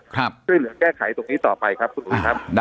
ช่วยเหลือแก้ไขตรงนี้ต่อไปครับคุณอุ๋ยครับ